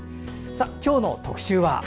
今日の特集は？